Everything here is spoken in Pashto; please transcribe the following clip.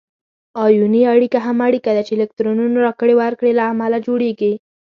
آیوني اړیکه هغه اړیکه ده چې د الکترونونو راکړې ورکړې له امله جوړیږي.